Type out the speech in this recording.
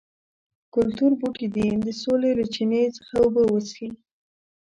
کلتور بوټي دې د سولې له چینې څخه اوبه وڅښي.